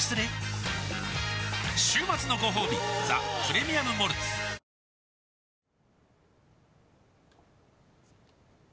週末のごほうび「ザ・プレミアム・モルツ」おおーーッ